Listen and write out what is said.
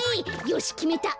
よしきめた。